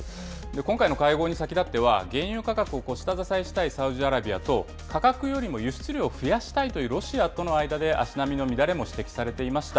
今回の会合に先立っては、原油価格を下支えしたいサウジアラビアと、価格よりも輸出量を増やしたいというロシアとの間で足並みの乱れも指摘されていました。